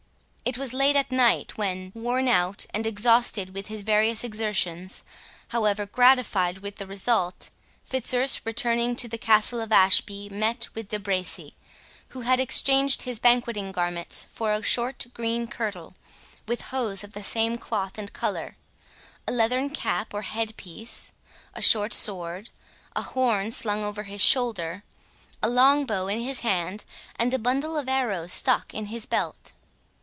It was late at night, when, worn out and exhausted with his various exertions, however gratified with the result, Fitzurse, returning to the Castle of Ashby, met with De Bracy, who had exchanged his banqueting garments for a short green kirtle, with hose of the same cloth and colour, a leathern cap or head piece, a short sword, a horn slung over his shoulder, a long bow in his hand, and a bundle of arrows stuck in his belt.